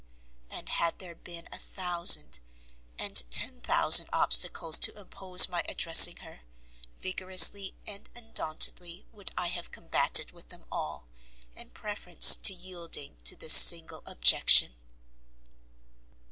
And had there been a thousand, and ten thousand obstacles to oppose my addressing her, vigorously and undauntedly would I have combated with them all, in preference to yielding to this single objection!